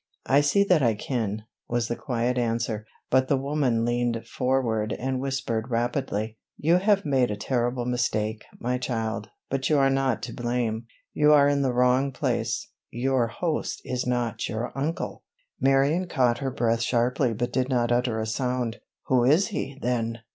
"I see that I can," was the quiet answer, then the woman leaned forward and whispered rapidly: "You have made a terrible mistake, my child, but you are not to blame. You are in the wrong place—your host is not your uncle!" Marion caught her breath sharply but did not utter a sound. "Who is he, then?"